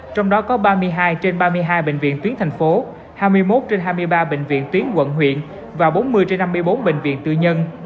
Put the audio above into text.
trong đó có ba mươi hai trên ba mươi hai bệnh viện tuyến thành phố hai mươi một trên hai mươi ba bệnh viện tuyến quận huyện và bốn mươi trên năm mươi bốn bệnh viện tư nhân